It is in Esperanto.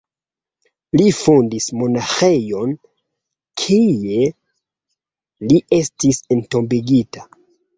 Li fondis monaĥejon, kie li estis entombigita.